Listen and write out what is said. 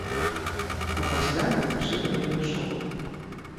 А пасля навучыла і дачок.